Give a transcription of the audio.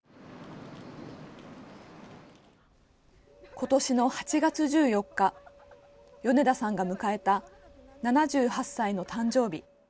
今年の８月１４日米田さんが迎えた７８歳の誕生日。